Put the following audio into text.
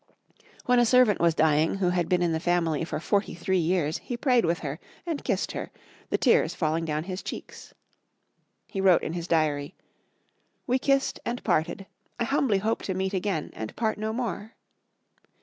When a servant was dying who had been in the family for forty three years, he prayed with her and kissed her, the tears falling down his cheeks. He wrote in his diary, "We kissed and parted I humbly hope to meet again, and part no more."